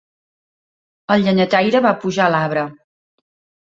El llenyataire va pujar a l'arbre.